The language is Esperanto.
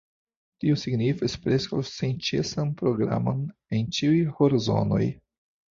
Tio signifas preskaŭ senĉesan programon en ĉiuj horzonoj.